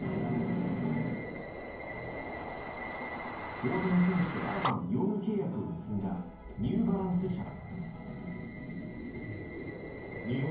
大谷選手と新たに用具契約を結んだニューバランス社は。